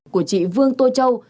của chị vương tô châu